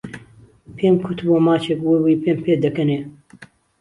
پێم کوت بۆ ماچێک وەی وەی پێم پێ دەکەنێ